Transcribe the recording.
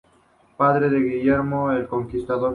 Padre de Guillermo el Conquistador.